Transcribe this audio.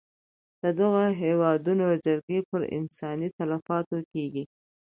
د دغه هېوادونو جګړې پر انساني تلفاتو کېږي.